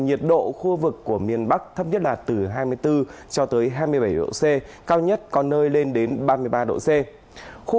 nhiệt độ khu vực của miền bắc thấp nhất là từ hai mươi bốn cho tới hai mươi bảy độ c cao nhất có nơi lên đến ba mươi ba độ c